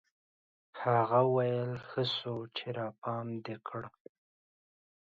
هغه ويل ښه سو چې راپام دي کړ.